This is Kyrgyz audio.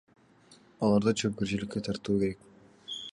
Аларды жоопкерчиликке тартуу керек.